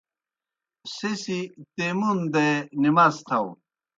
سہ سی تیمون دے نماز تھاؤ۔